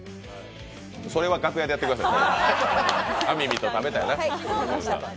それは楽屋でやってください。